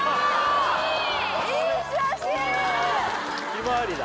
ひまわりだ